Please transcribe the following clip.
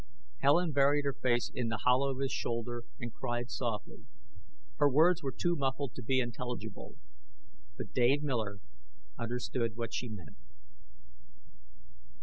Helen buried her face in the hollow of his shoulder and cried softly. Her words were too muffled to be intelligible. But Dave Miller understood what she meant.